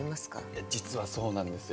いや実はそうなんですよ。